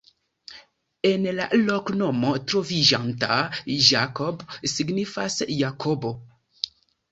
En la loknomo troviĝanta "Jakab" signifas: Jakobo.